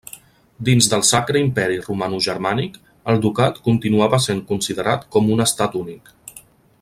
Dins del Sacre Imperi Romanogermànic, el ducat continuava sent considerat com un estat únic.